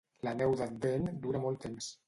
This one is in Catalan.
La neu d'Advent dura molt temps.